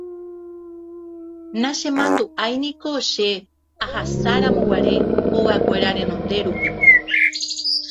nachemandu'áiniko che ahasáramoguare hogakuéra renonde rupi